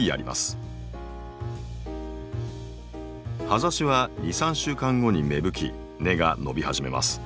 葉ざしは２３週間後に芽吹き根が伸び始めます。